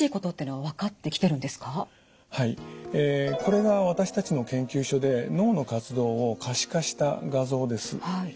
はいこれが私たちの研究所で脳の活動を可視化した画像です。